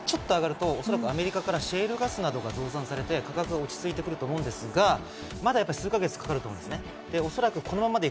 もうちょっと上がると、おそらくアメリカからシェールガスなどが生産されて落ち着いてくると思うんですが、まだ数か月かかると思うんです。